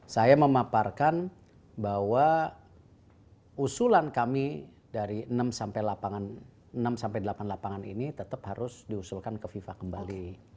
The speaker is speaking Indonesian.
saya memaparkan bahwa usulan kami dari enam sampai delapan lapangan ini tetap harus diusulkan ke fifa kembali